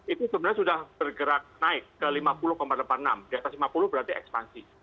itu sebenarnya sudah bergerak naik ke lima puluh delapan puluh enam di atas lima puluh berarti ekspansi